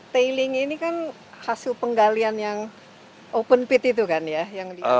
tailing ini kan hasil penggalian yang open pit itu kan ya